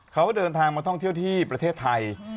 เขาเดินทางมาท่องเที่ยวที่ประเทศไทย